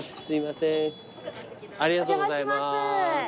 ありがとうございます。